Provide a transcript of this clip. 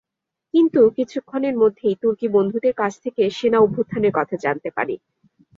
কিন্তু কিছুক্ষণের মধ্যেই তুর্কি বন্ধুদের কাছ থেকে সেনা অভ্যুত্থানের কথা জানতে পারি।